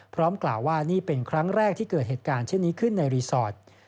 กล่าวว่านี่เป็นครั้งแรกที่เกิดเหตุการณ์เช่นนี้ขึ้นในรีสอร์ท